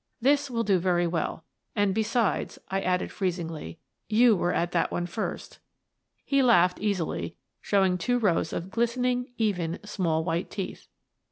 "This will do very well. And besides," I added, f reezingly, " you were at that one first" He laughed easily, showing two rows of glisten ing, even, small, white teeth.